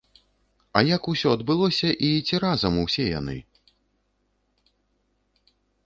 А як усё адбылося і ці разам усе яны?